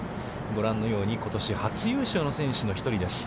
ご覧のように、ことし初優勝の選手の１人です。